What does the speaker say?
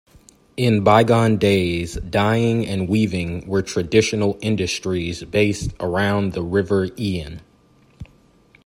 In bygone days, dyeing and weaving were traditional industries based around the River Ehen.